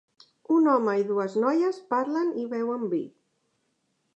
Un home i dues noies parlen i beuen vi.